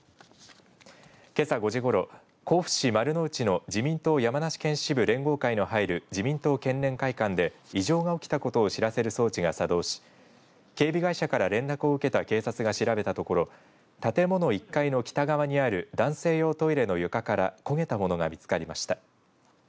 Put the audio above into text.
けさ５時ごろ、甲府市丸の内の自民党山梨県支部連合会の入る自民党県連会館で異常が起きたことを知らせる装置が作動し警備会社から連絡を受けた警察が調べたところ建物１階の北側にある男性用トイレの床から焦げたものが見つかりました。